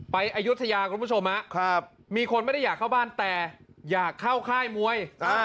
อายุทยาคุณผู้ชมมีคนไม่ได้อยากเข้าบ้านแต่อยากเข้าค่ายมวย